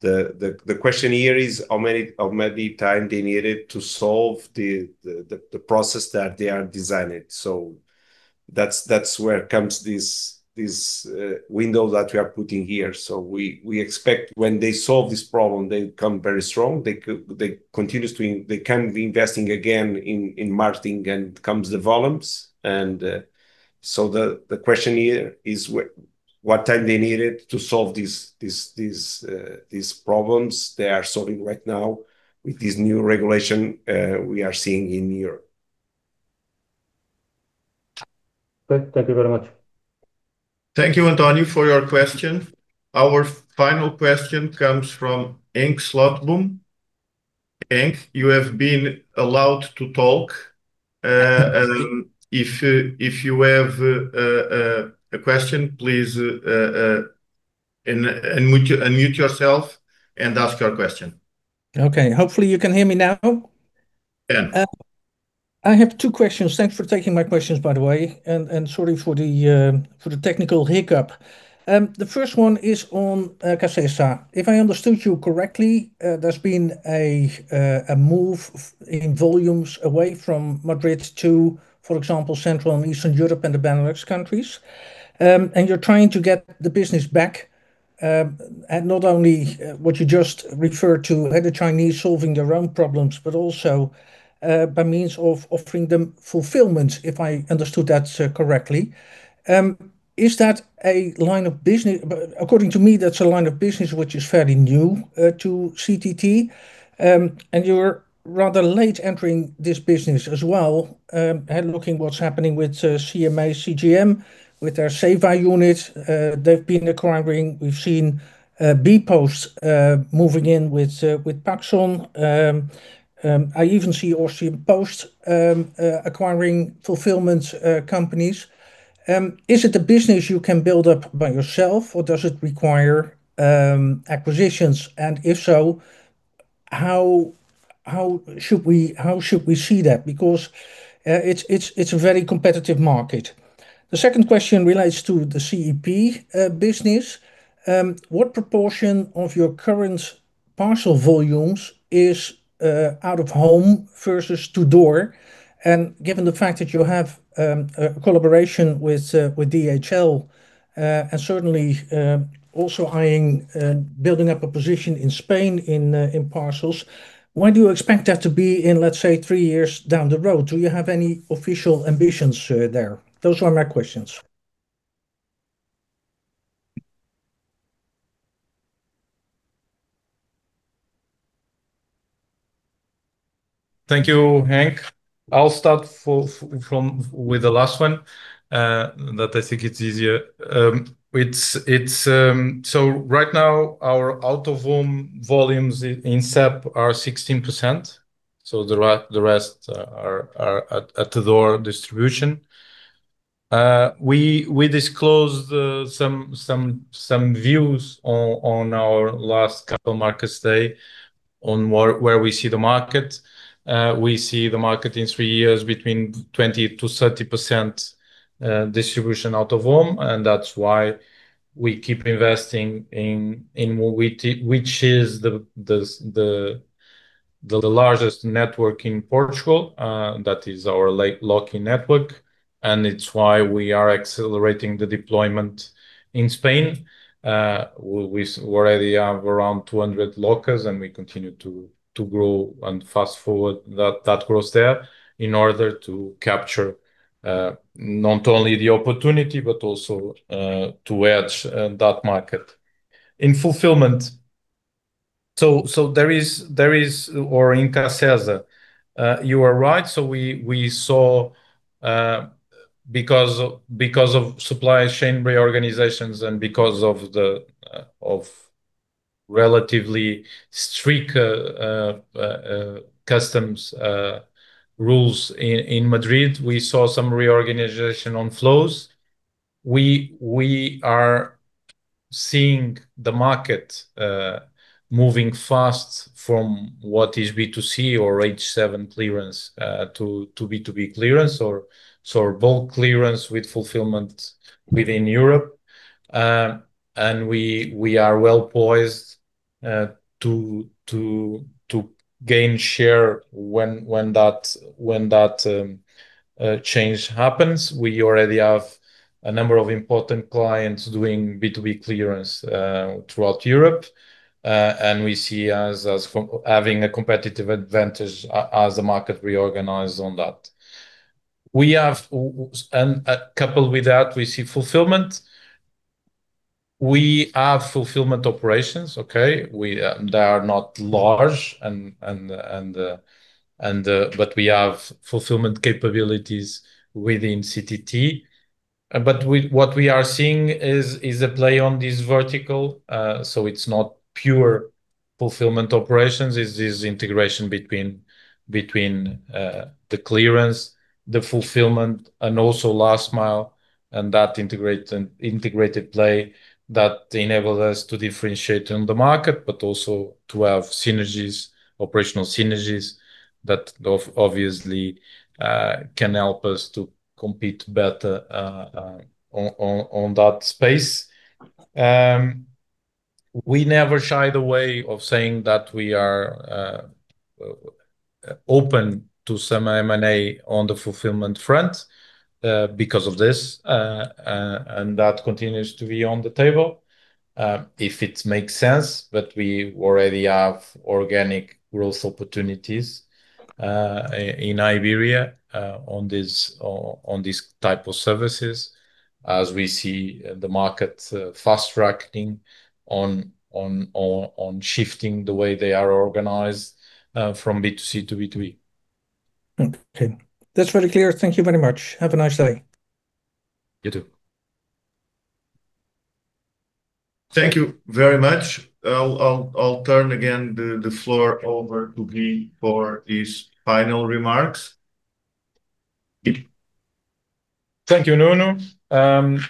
The question here is how many time they needed to solve the process that they are designing. That's where comes this window that we are putting here. We expect when they solve this problem, they come very strong. They can be investing again in marketing and comes the volumes. The question here is what time they needed to solve these problems they are solving right now with this new regulation we are seeing in Europe. Okay. Thank you very much. Thank you, António, for your question. Our final question comes from Henk Slotboom. Henk, you have been allowed to talk. If you have a question, please unmute yourself and ask your question. Okay. Hopefully, you can hear me now. Yeah. I have two questions. Thanks for taking my questions, by the way, and sorry for the technical hiccup. The first one is on Cacesa. If I understood you correctly, there's been a move in volumes away from Madrid to, for example, Central and Eastern Europe and the Benelux countries. You're trying to get the business back, not only what you just referred to, the Chinese solving their own problems, but also, by means of offering them fulfillment, if I understood that correctly. According to me, that's a line of business which is fairly new to CTT, and you're rather late entering this business as well. Looking what's happening with CMA CGM, with their Savvy unit, they've been acquiring. We've seen bpost moving in with Paxon. I even see Austrian Post acquiring fulfillment companies. Is it a business you can build up by yourself, or does it require acquisitions? How should we see that? Because it's a very competitive market. The second question relates to the CEP business. What proportion of your current parcel volumes is out-of-home versus to door? Given the fact that you have a collaboration with DHL, and certainly, also eyeing building up a position in Spain in parcels, where do you expect that to be in, let's say, three years down the road? Do you have any official ambitions there? Those are my questions. Thank you, Henk. I'll start with the last one, that I think it's easier. Right now, our out-of-home volumes in CEP are 16%. The rest are at the door distribution. We disclosed some views on our last Capital Markets Day on where we see the market. We see the market in three years between 20%-30% distribution out-of-home, and that's why we keep investing in Locky, which is the largest network in Portugal, that is our Locky network. It's why we are accelerating the deployment in Spain. We already have around 200 lockers, and we continue to grow and fast-forward that growth there in order to capture not only the opportunity but also to edge that market. In fulfillment, or in Cacesa. You are right. We saw, because of supply chain reorganizations and because of relatively strict customs rules in Madrid, we saw some reorganization on flows. We are seeing the market moving fast from what is B2C or H7 clearance to B2B clearance or bulk clearance with fulfillment within Europe. We are well-poised to gain share when that change happens. We already have a number of important clients doing B2B clearance throughout Europe. We see us as having a competitive advantage as the market reorganizes on that. Coupled with that, we see fulfillment. We have fulfillment operations, okay? They are not large, but we have fulfillment capabilities within CTT. What we are seeing is a play on this vertical, so it's not pure fulfillment operations. It's this integration between the clearance, the fulfillment, and also last mile, and that integrated play that enables us to differentiate on the market, but also to have synergies, operational synergies that obviously can help us to compete better on that space. We never shy the way of saying that we are open to some M&A on the fulfillment front because of this, and that continues to be on the table. If it makes sense, but we already have organic growth opportunities in Iberia on these type of services as we see the market fast-tracking on shifting the way they are organized from B2C to B2B. Okay. That's very clear. Thank you very much. Have a nice day. You, too. Thank you very much. I'll turn again the floor over to Guy for his final remarks. Thank you, Nuno. As I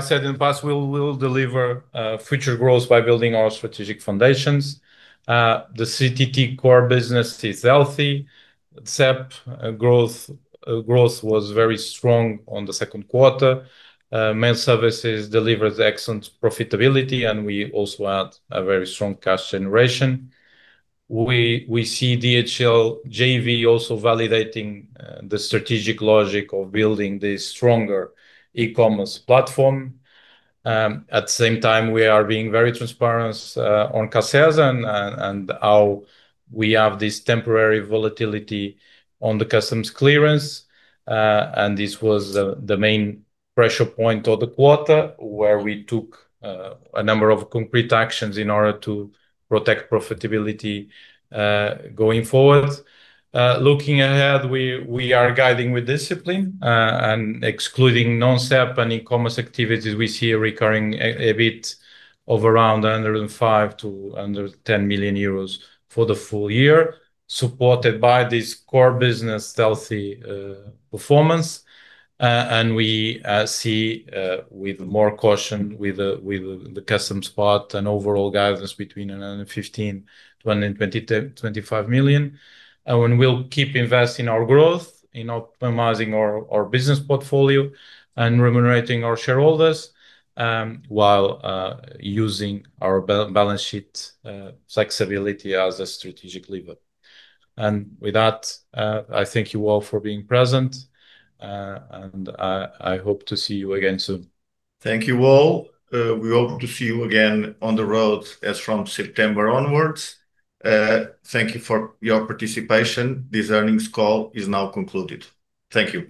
said in the past, we will deliver future growth by building our strategic foundations. The CTT core business is healthy. CEP growth was very strong on the second quarter. Mail & Services delivered excellent profitability. We also had a very strong cash generation. We see DHL JV also validating the strategic logic of building the stronger e-commerce platform. At the same time, we are being very transparent on Cacesa and how we have this temporary volatility on the customs clearance. This was the main pressure point of the quarter, where we took a number of concrete actions in order to protect profitability going forward. Looking ahead, we are guiding with discipline. Excluding non-CEP and e-commerce activities, we see a recurring EBITDA of around 105 million-110 million euros for the full year, supported by this core business' healthy performance. We see, with more caution with the customs part, an overall guidance between 115 million-125 million. We'll keep investing our growth in optimizing our business portfolio and remunerating our shareholders, while using our balance sheet flexibility as a strategic lever. With that, I thank you all for being present. I hope to see you again soon. Thank you all. We hope to see you again on the road as from September onwards. Thank you for your participation. This earnings call is now concluded. Thank you